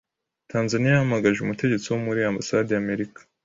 Tanzania yahamagaje umutegetsi wo muri ambasade y'Amerika